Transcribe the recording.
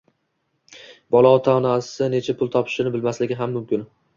bola ota-onasi necha pul topishini bilmasligi ham mumkin.